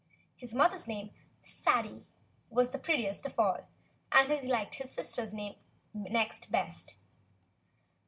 His mother's name, Sadie, was the prettiest of all, and he liked his sister's name next best.